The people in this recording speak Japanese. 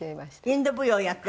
インド舞踊やっ